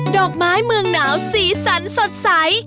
ดอกไม้เมืองหนาวสีสันสดใส